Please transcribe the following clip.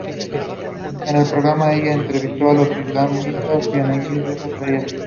En el programa, ella entrevistó a los islamistas y a la English Defence League.